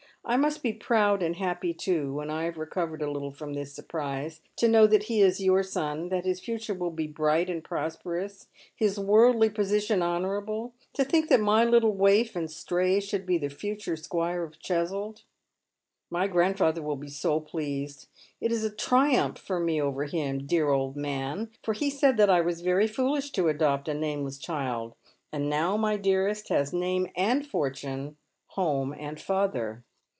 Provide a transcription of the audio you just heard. I must be proud and happy too, when I have recovered a little from this surprise, to know that he is your son — that his future will be briglit and prosperous — his worldly position honourable, — to think that my little waif and stray should be the future squire of Cheswold. Lly grandfather will be so pleased. It is a triumph for me over him, dear old man, for he said that I was very foolish to adopt a nameless child, and now my dearest has name and fortune, home and father."